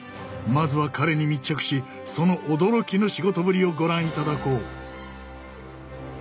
まずは彼に密着しその驚きの仕事ぶりをご覧いただこう。